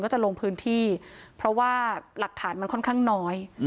จะลงพื้นที่เพราะว่าหลักฐานมันค่อนข้างน้อย